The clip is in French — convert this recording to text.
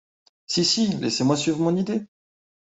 Si, si, laissez-moi suivre mon idée...